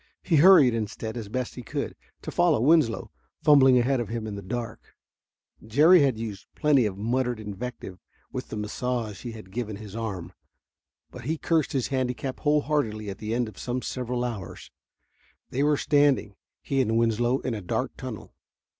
He hurried instead, as best he could, to follow Winslow, fumbling ahead of him in the dark. Jerry had used plenty of muttered invective with the massage he had given his arm, but he cursed his handicap wholeheartedly at the end of some several hours. They were standing, he and Winslow, in a dark tunnel.